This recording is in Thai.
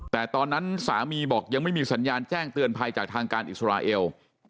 แต่ตอนนั้นสามีบอกยังไม่มีสัญญาณแจ้งเตือนภัยจากทางการอิสราเอล